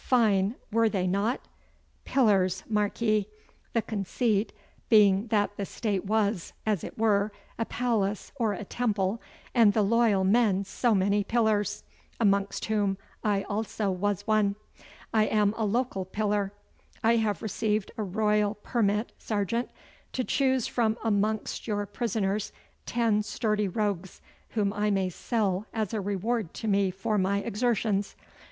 Fine, were they not? Pillars, mark ye, the conceit being that the State was, as it were, a palace or a temple, and the loyal men so many pillars, amongst whom I also was one. I am a local pillar. I have received a Royal permit, sergeant, to choose from amongst your prisoners ten sturdy rogues whom I may sell as a reward to me for my exertions.